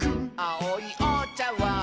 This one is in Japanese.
「あおいおちゃわん」